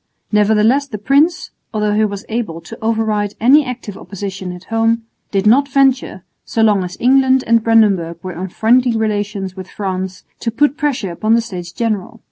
Nevertheless the prince, although he was able to override any active opposition at home, did not venture, so long as England and Brandenburg were on friendly relations with France, to put pressure upon the States General.